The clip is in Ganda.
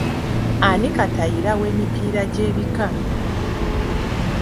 Ani katayira w'emipiira gy'ebika?